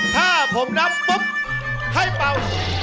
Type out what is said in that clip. ถ้าผมนับปุ๊บให้เป่า